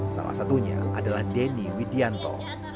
salah satunya adalah denny widianto